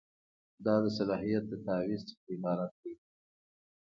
دا د صلاحیت د تعویض څخه عبارت دی.